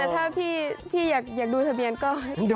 แต่ถ้าพี่อยากดูทะเบียนก็